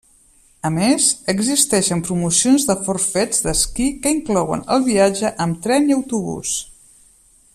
A més existeixen promocions de forfets d'esquí que inclouen el viatge amb tren i autobús.